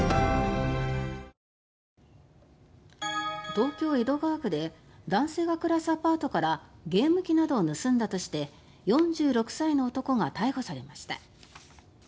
東京・江戸川区で男性が暮らすアパートからゲーム機などを盗んだとして４６歳の男が逮捕されました。